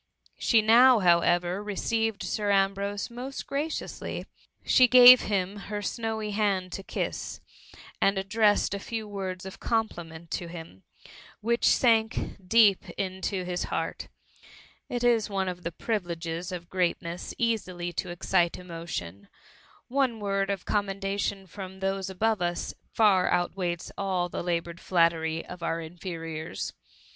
She now, however, received Sir Ambrose most gradously; she gave him her snowy hand to kiss, and addressed a few words of compliment to him, which sank deep into his heart It is one of the privileges of greatness easily to excite emotion ; one word of commendation from those above us, far outweighs all the laboured flattery of our inferiors.